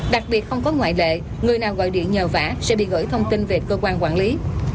đặc biệt không có ngoại lệ người nào gọi điện nhờ vả sẽ bị gửi thông tin về cơ quan quản lý